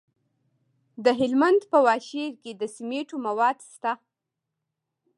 د هلمند په واشیر کې د سمنټو مواد شته.